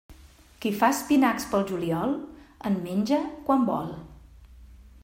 Qui fa espinacs pel juliol, en menja quan vol.